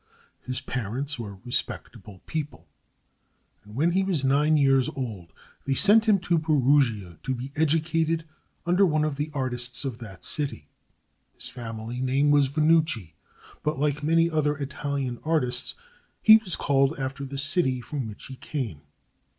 His parents were respectable people, and when he was nine years old they sent him to Perugia to be educated under one of the artists of that city. His family name was Vannucci; but like many other Italian artists he was called after the city from which he came.